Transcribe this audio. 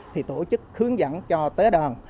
thì tổ chức hướng dẫn cho tế đoàn